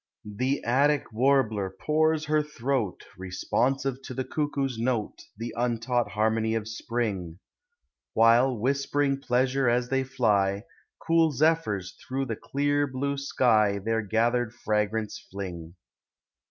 The Attic warbler pours her throal Responsive to the cuckoo's note, The untaught harmony of spring: While, whispering pleasure as they fly, Cool zephyrs through the clear blue sky Their gathered fragrance fling.